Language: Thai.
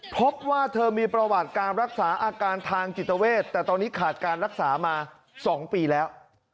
พบว่าเธอมีประวัติการรักษาอาการทางจิตเวทแต่ตอนนี้ขาดการรักษามา๒ปีแล้ว